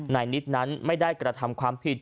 นายนิดนั้นไม่ได้กระทำความผิด